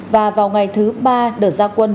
và vào ngày thứ ba đợt ra quân